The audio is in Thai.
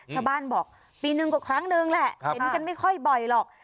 ชาวบ้านบอกปีนึงก็ครั้งนึงแหละเห็นกันไม่ค่อยบ่อยหรอก